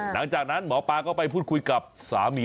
หลังจากนั้นหมอปลาก็ไปพูดคุยกับสามี